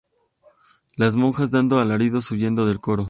las monjas, dando alaridos, huyeron del coro.